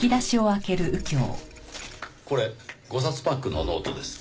これ５冊パックのノートです。